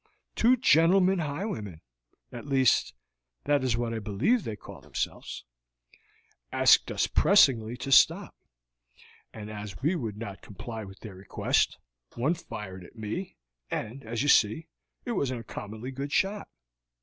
Two gentlemen highwaymen at least, that is what I believe they call themselves asked us pressingly to stop, and as we would not comply with their request, one fired at me, and, as you see, it was an uncommonly good shot.